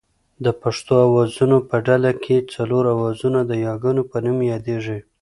د پښتو آوازونو په ډله کې څلور آوازونه د یاګانو په نوم یادېږي